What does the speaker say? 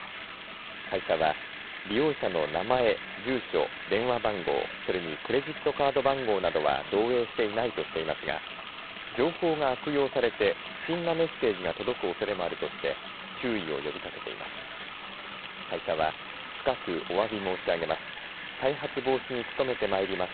会社は、利用者の名前住所、電話番号それにクレジットカード番号などは漏えいしていないとしていますが情報が悪用されて不審なメッセージが届くおそれもあるとして注意を呼びかけています。